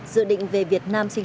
dự định về việt nam